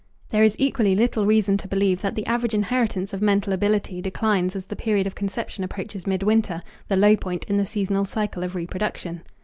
There is equally little reason to believe that the average inheritance of mental ability declines as the period of conception approaches midwinter, the low point in the seasonal cycle of reproduction.